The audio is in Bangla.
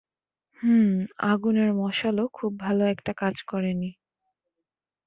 হুম, আগুনের মশালও খুব ভালো একটা কাজ করেনি।